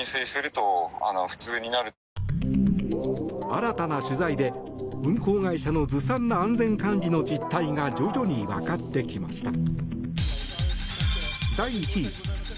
新たな取材で、運航会社のずさんな安全管理の実態が徐々に分かってきました。